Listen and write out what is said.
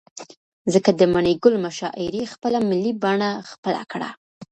ځكه د مڼې گل مشاعرې خپله ملي بڼه خپله كړه.